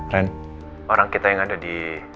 trend orang kita yang ada di